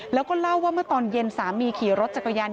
แล้วก็เล่าว่าเมื่อตอนเย็นสามีขี่รถจักรยาน